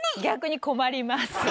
逆に困ります。